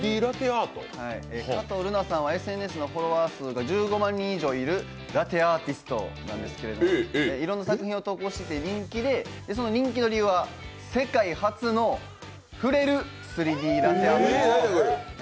加藤瑠菜さんはＳＮＳのフォロワー数が１５万人以上いる人気のラテアーティストなんですけど、いろんな作品を投稿していて、人気で、その人気の理由は世界初の触れる３Ｄラテアートです。